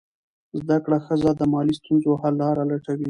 زده کړه ښځه د مالي ستونزو حل لاره لټوي.